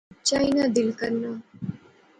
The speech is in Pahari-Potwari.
چائی نا دل کرنا